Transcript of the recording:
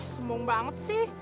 sembong banget sih